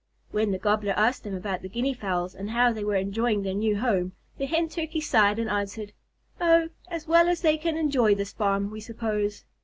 When the Gobbler asked them about the Guinea Fowls, and how they were enjoying their new home, the Hen Turkeys sighed and answered, "Oh, as well as they can enjoy this farm, we suppose."